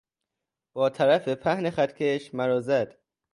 با طرف پهن خطکش مرا زد.